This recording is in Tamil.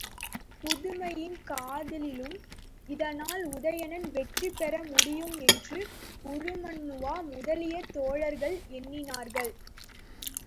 பதுமையின் காதலிலும் இதனால் உதயணன் வெற்றி பெற முடியும் என்று உருமண்ணுவா முதலிய தோழர்கள் எண்ணினார்கள்.